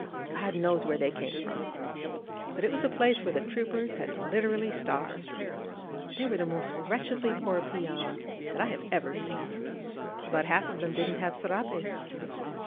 God knows where they came from, but it was a place where the troopers had literally starved. They were the most wretchedly poor peons that I have ever seen — about half of them didn't have serapes.